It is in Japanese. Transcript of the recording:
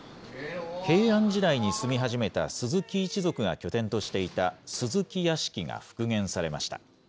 平安時代に住み始めた鈴木一族が拠点としていた鈴木屋敷が復元されました。